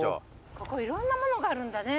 ここいろんなものがあるんだね。